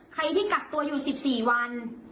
ใครที่กักตัวอยู่๑๔วัน